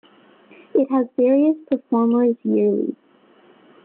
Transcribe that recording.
It has various performers yearly.